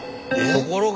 ところが。